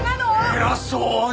偉そうに！